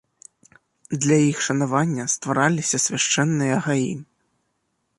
Для іх шанавання ствараліся свяшчэнныя гаі.